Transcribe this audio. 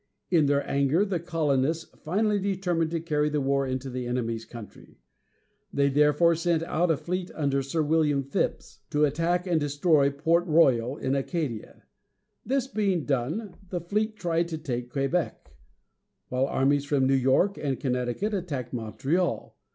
In their anger, the colonists finally determined to carry the war into the enemy's country. They therefore sent out a fleet under Sir William Phips, to attack and destroy Port Royal, in Acadia. This being done, the fleet tried to take Quebec, while armies from New York and Connecticut attacked Montreal.